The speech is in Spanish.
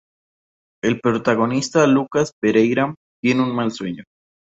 El protagonista, Lucas Pereyra, tiene un mal sueño.